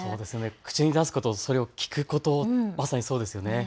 口に出すこと、それを聞くこと、まさにそうですよね。